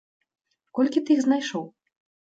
Колькі ты іх знайшоў?